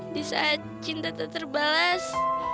di saat cinta tak terbalas